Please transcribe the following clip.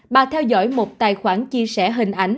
bà theo dõi một tài khoản chia sẻ hình ảnh